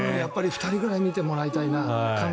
２人ぐらいは見てもらいたいな。